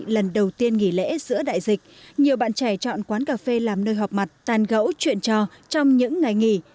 lần đầu tiên nghỉ lễ giữa đại dịch nhiều bạn trẻ chọn quán cà phê làm nơi họp mặt tàn gẫu chuyện trò trong những ngày nghỉ